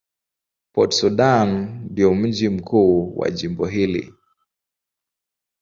Port Sudan ndio mji mkuu wa jimbo hili.